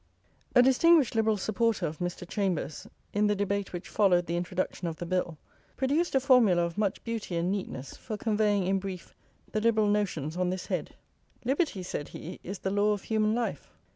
A distinguished Liberal supporter of Mr. Chambers, in the debate which followed the introduction of the bill, produced a formula of much beauty and neatness for conveying in brief the Liberal notions on this head: "Liberty," said he, "is the law of human life."